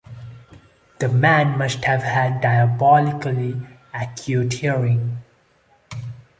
The man must have had diabolically acute hearing.